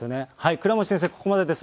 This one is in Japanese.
倉持先生、ここまでです。